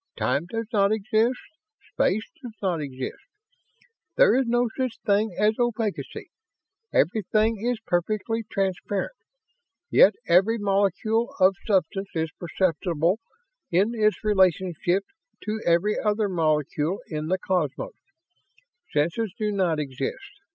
Time does not exist. Space does not exist. There is no such thing as opacity; everything is perfectly transparent, yet every molecule of substance is perceptible in its relationship to every other molecule in the cosmos. Senses do not exist.